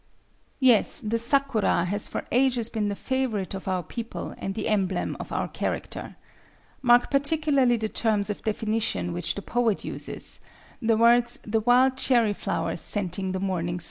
Yes, the sakura has for ages been the favorite of our people and the emblem of our character. Mark particularly the terms of definition which the poet uses, the words the wild cherry flower scenting the morning sun.